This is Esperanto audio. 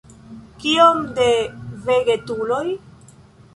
Kiom de vegetuloj?